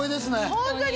本当に？